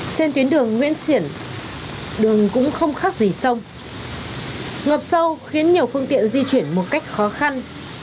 trên tuyến đường nguyễn xiển đường cũng không khác gì sông ngập sâu khiến nhiều phương tiện di chuyển một cách khó khăn